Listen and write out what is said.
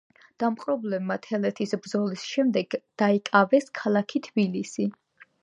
დამპყრობლებმა თელეთის ბრძოლის შემდეგ დაიკავეს ქალაქი თბილისი.